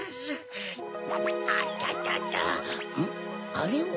あれは。